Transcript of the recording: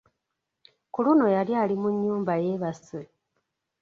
Ku luno yali ali mu nnyumba yeebase.